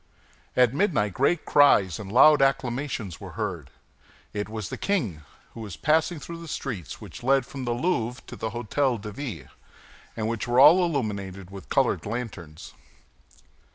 At midnight great cries and loud acclamations were heard. It was the king, who was passing through the streets which led from the Louvre to the Hôtel de Ville, and which were all illuminated with colored lanterns.